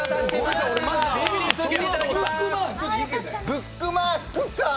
ブックマークかぁ。